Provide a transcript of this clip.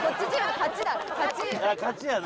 勝ちやね。